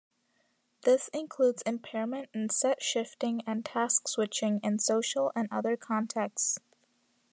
This includes impairment in set shifting and task switching in social and other contexts.